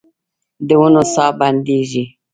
د ونو ساه بندیږې